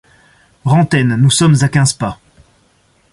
Rantaine, nous sommes à quinze pas.